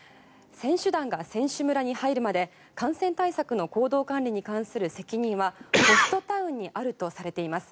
選手団が選手村に入るまで感染対策の行動管理に対する責任はホストタウンにあるとされています。